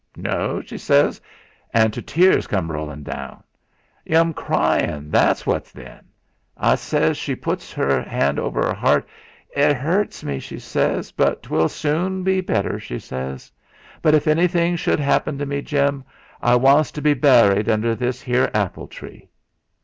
'No,' she says, and to tears cam' rollin' out. 'Yu'm cryin' what's that, then?' I says. She putts '.r 'and over 'er 'eart: 'It 'urts me,' she says; 'but 'twill sune be better,' she says. 'But if anything shude 'appen to me, Jim, I wants to be burried under this 'ere apple tree.'